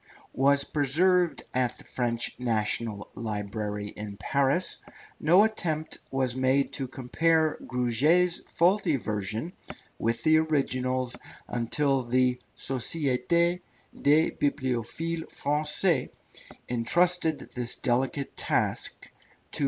were preserved at the French National Library in Paris, no attempt was made to compare Gruget's faulty version with the originals until the Société des Bibliophiles Français entrusted this delicate task to M.